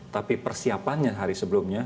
tapi persiapannya hari sebelumnya